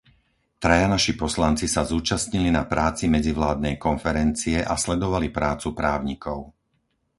Traja naši poslanci sa zúčastnili na práci medzivládnej konferencie a sledovali prácu právnikov.